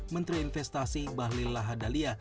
menteri investasi bahlil lahadalia